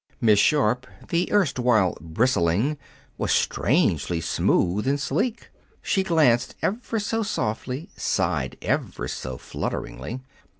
Miss Sharp, the erstwhile bristling, was strangely smooth and sleek. She glanced ever so softly, sighed ever so flutteringly.